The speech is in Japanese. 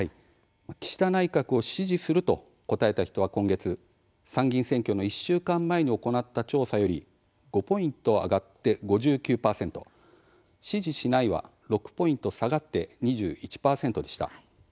岸田内閣を支持すると答えた人は、今月参議院選挙の１週間前に行った調査より５ポイント上がって５９％支持しないは６ポイント下がって２１％でした。